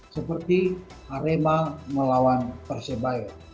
seperti arema melawan persebaya